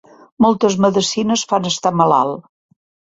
Moltes medecines fan estar malalt.